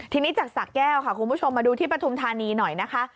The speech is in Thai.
ทีนี้จากสะแก้วค่ะคุณผู้ชมมาดูที่ปฐุมธานีหน่อยนะคะ